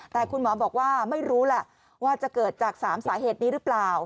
แต่คุณหมอบอกว่าไม่รู้แหละว่าจะเกิดจาก๓สาเหตุนี้หรือเปล่า